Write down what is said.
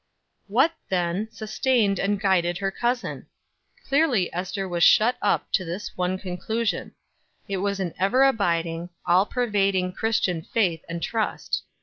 What, then, sustained and guided her cousin? Clearly Ester was shut up to this one conclusion it was an ever abiding, all pervading Christian faith and trust.